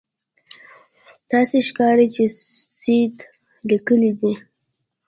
داسې ښکاري چې سید لیکلي دي.